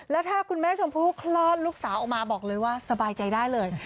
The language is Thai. แล้วถ้าคุณแม่ชมพู่คลอดลูกสาวออกมาบอกเลยว่าสบายใจได้เลย